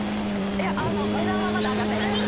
いや値段はまだ上がってない。